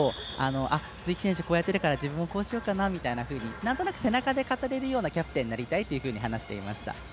鈴木選手、こうやっているから自分もこうやろうかなみたいになんとなく背中で語れるようなキャプテンになりたいと話していました。